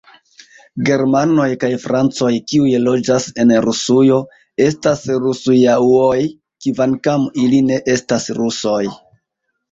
Germanoj kaj francoj, kiuj loĝas en Rusujo, estas Rusujauoj, kvankam ili ne estas rusoj.